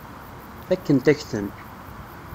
Fakkent-ak-ten.